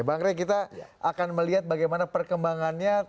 bang rey kita akan melihat bagaimana perkembangannya